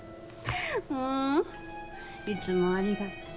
もういつもありがとう。